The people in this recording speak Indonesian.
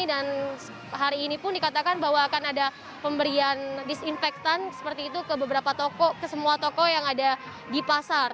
dan hari ini pun dikatakan bahwa akan ada pemberian disinfektan seperti itu ke beberapa toko ke semua toko yang ada di pasar